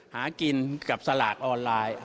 หากินกับสลากออนไลน์